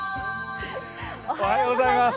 おはようございます。